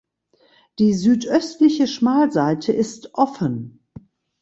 Die südöstliche Schmalseite ist offen.